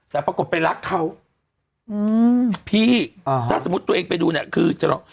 แต่ปรากฏไปรักเขาอืมพี่อ่าถ้าสมมุติตัวเองไปดูเนี่ยคือจะหลอก